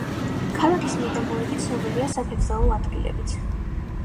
ქალაქის მიდამოები ცნობილია სათევზაო ადგილებით.